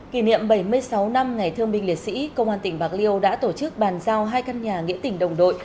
kỷ niệm bảy mươi sáu năm ngày thương binh liệt sĩ công an tỉnh bạc liêu đã tổ chức bàn giao hai căn nhà nghĩa tỉnh đồng đội